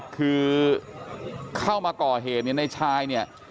คือเข้ามาก่อเหตุเนี่ยในชายเนี่ย